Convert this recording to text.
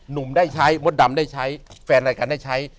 หนุ่มได้ใช้มดดำได้ใช้แฟนรายการได้ใช้